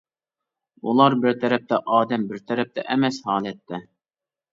ئۇلار بىر تەرەپتە ئادەم بىر تەرەپتە ئەمەس، ھالەتتە.